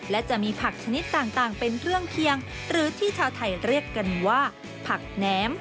และจะมีผักชนิดต่างเป็นเครื่องเคียงหรือที่ชาวไทยเรียกกันว่าผักแหนม